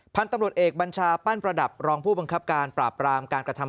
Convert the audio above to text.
พันธุ์ตำรวจเอกบัญชาปั้นประดับรองผู้บังคับการปราบรามการกระทำ